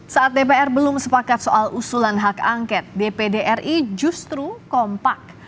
saat dpr belum sepakat soal usulan hak angket dpd ri justru kompak